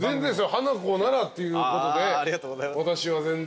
ハナコならっていうことで私は全然。